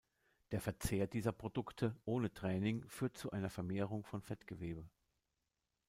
Der Verzehr dieser Produkte ohne Training führt zu einer Vermehrung von Fettgewebe.